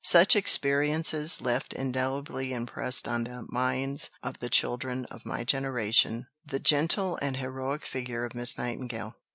Such experiences left indelibly impressed on the minds of the children of my generation the gentle and heroic figure of Miss Nightingale."